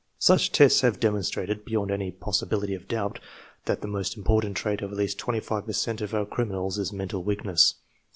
Such tests have' demonstrated, beyond any possibility of doubt, that the most important trait of at least 25 per cent of our criminals is mental weakness.